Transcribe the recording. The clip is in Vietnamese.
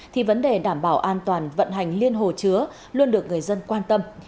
thì vấn đề đảm bảo an toàn vận hành liên hồ chứa luôn được người dân quan tâm